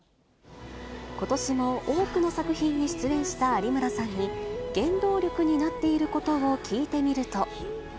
ことしも多くの作品に出演した有村さんに、原動力になっていることを聞いてみると。